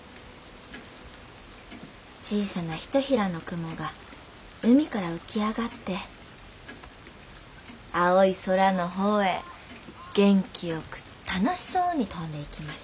「小さなひとひらの雲が海から浮き上がって青い空の方へ元気よく楽しそうに飛んでいきました。